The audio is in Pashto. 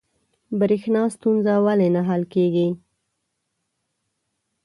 بریښنا ستونزه ولې نه حل کیږي؟